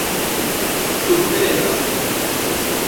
subtenas